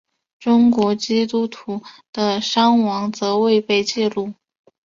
中国基督徒的伤亡则未被记录。